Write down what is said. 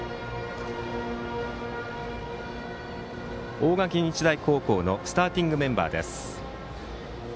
大垣日大高校のスターティングメンバーです。